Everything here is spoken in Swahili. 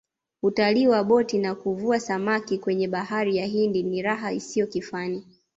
utalii wa boti na kuvua samaki kwenye bahari ya hindi ni raha isiyo kifani